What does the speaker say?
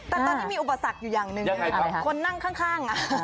แต่ตอนนี้มีอุปสรรคอยู่อย่างหนึ่งคนนั่งข้าง